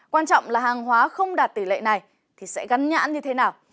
quan trọng là hàng hóa không đạt tỷ lệ này thì sẽ gắn nhãn như thế nào